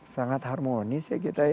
sangat harmonis ya kita